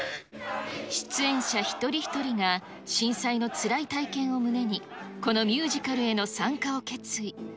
出演者一人一人が震災のつらい体験を胸に、このミュージカルへの参加を決意。